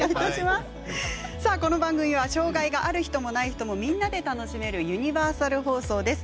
この番組は障がいがある人、ない人もみんなで楽しめるユニバーサル放送です。